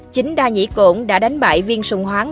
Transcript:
chính đa nhĩ cổn đã đánh bại viên sùng hoáng